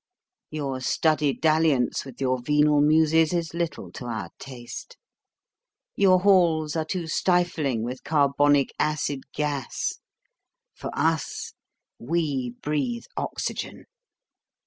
Your studied dalliance with your venal muses is little to our taste. Your halls are too stifling with carbonic acid gas; for us, we breathe oxygen.